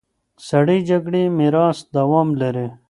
سړې جګړې میراث دوام لري.